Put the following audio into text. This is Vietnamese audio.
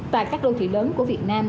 tại các đô thủy lớn của việt nam